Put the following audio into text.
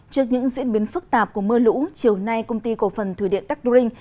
trước những diễn biến phức tạp của mưa lũ chiều nay công ty cổ phần thủy điện đắc đu rinh